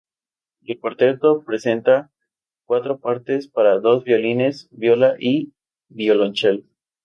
El cuarteto presenta cuatro partes para dos violines, viola y violonchelo.